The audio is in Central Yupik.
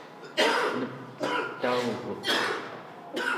nepcetauguq